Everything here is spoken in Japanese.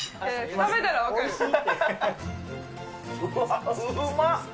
食べたら分かる。